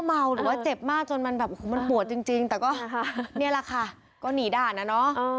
ไม่รู้ว่าเจ็บมากจนมันปวดจริงแต่ก็นี่แหละค่ะก็หนีด่านนะเนอะ